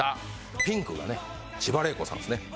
ピンクがね千葉麗子さんですね。